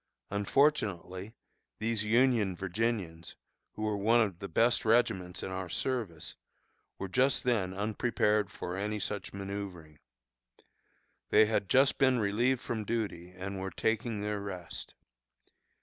Unfortunately, these Union Virginians, who were one of the best regiments in our service, were just then unprepared for any such manoeuvring. They had just been relieved from duty, and were taking their rest.